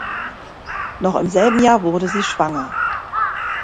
Noch im selben Jahr wurde sie schwanger.